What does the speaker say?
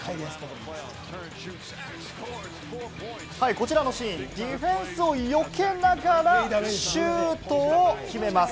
こちらのシーン、ディフェンスをよけながらシュートを決めます。